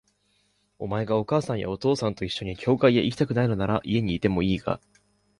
お前がお母さんやお父さんと一緒に教会へ行きたくないのなら、家にいてもいいが、